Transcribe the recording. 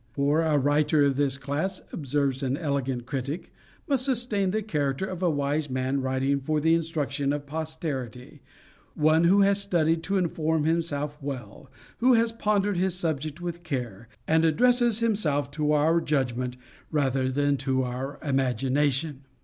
"For a writer of this class," observes an elegant critic, "must sustain the character of a wise man writing for the instruction of posterity; one who has studied to inform himself well, who has pondered his subject with care, and addresses himself to our judgment rather than to our imagination."